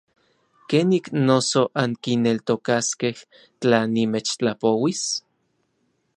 ¿Kenik noso ankineltokaskej tla nimechtlapouis?